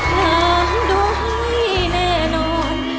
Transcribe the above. ฟังดูให้แน่นอน